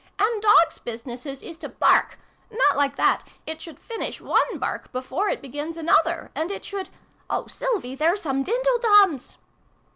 "And dogs' businesses is to bark not like that : it should finish one bark before it begins another : and it should Oh Sylvie, there's some dindledums